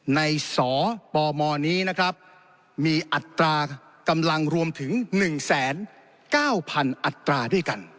ในสปมนี้นะครับมีอัตรากำลังรวมถึง๑๙๐๐อัตราด้วยกัน